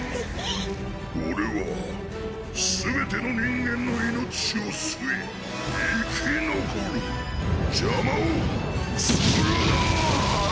俺は全ての人間の命を吸い生き残る！邪魔をするな‼